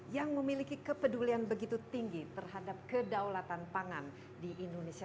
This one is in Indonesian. yang memiliki kepedulian begitu tinggi terhadap kedaulatan pangan di indonesia